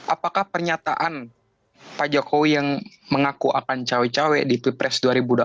apakah pernyataan pak jokowi yang mengaku akan cowok cowok di pipres dua ribu dua puluh empat